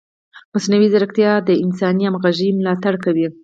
مصنوعي ځیرکتیا د انساني همغږۍ ملاتړ کوي.